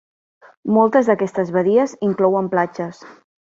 Moltes d'aquestes badies inclouen platges.